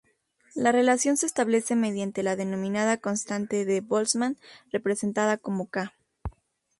La relación se establece mediante la denominada constante de Boltzmann representada como "k".